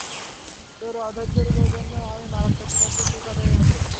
তোর অধৈর্যের জন্য একদিন মারাত্মক মূল্য চুকাতে হবে।